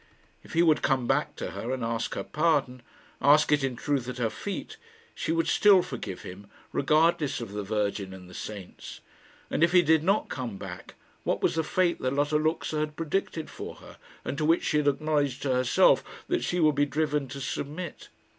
If he would come back to her, and ask her pardon ask it in truth at her feet she would still forgive him, regardless of the Virgin and the saints. And if he did not come back, what was the fate that Lotta Luxa had predicted for her, and to which she had acknowledged to herself that she would be driven to submit?